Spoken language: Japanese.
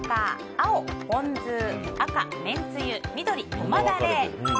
青、ポン酢赤、めんつゆ緑、ゴマダレ。